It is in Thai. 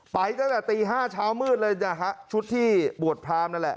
ไปตั้งแต่ตี๕เช้ามืดเลยนะฮะชุดที่บวชพรามนั่นแหละ